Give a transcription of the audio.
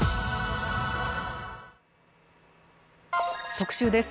特集です。